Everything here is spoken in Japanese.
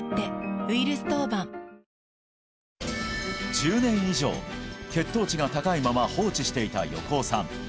１０年以上血糖値が高いまま放置していた横尾さん